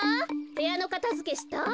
へやのかたづけした？